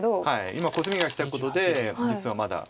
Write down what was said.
今コスミがきたことで実はまだ。